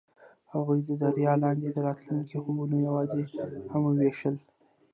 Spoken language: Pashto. هغوی د دریا لاندې د راتلونکي خوبونه یوځای هم وویشل.